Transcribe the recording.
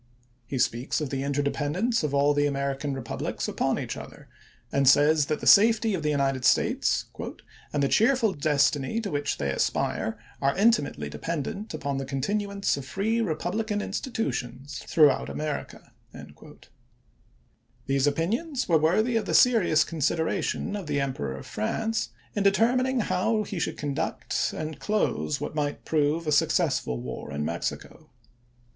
He speaks of the interdependence of all 1863. the American republics upon each other, and says that the safety of the United States uand the cheerful destiny to which they aspire are inti mately dependent upon the continuance of free re publican institutions throughout America." These opinions were worthy of the serious consideration of the Emperor of France in determining how he should conduct and close what might prove a suc cessful war in Mexico.